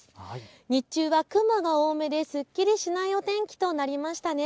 日中は雲が多めですっきりしないお天気となりましたね。